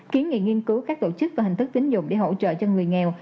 kiến nghị nghiên cứu các tổ chức và hình thức tính dụng để hỗ trợ cho người nghèo